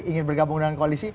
ingin bergabung dengan koalisi